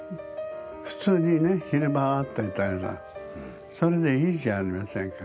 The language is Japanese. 普通にね昼間会っていたらそれでいいじゃありませんか。